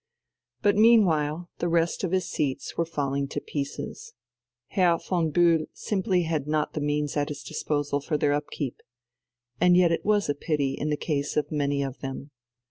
But meanwhile the rest of his seats were falling to pieces. Herr von Bühl simply had not the means at his disposal for their upkeep. And yet it was a pity in the case of many of them.